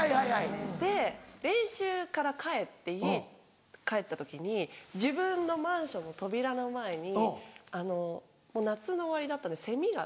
で練習から帰って家帰った時に自分のマンションの扉の前に夏の終わりだったんでセミが。